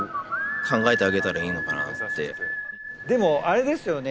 でもあれですよね